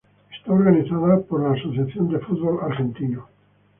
Está organizada por la Asociación del Fútbol Argentino.